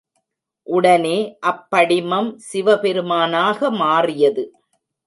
உடனே அப் படிமம் சிவபெருமானாக மாறியது.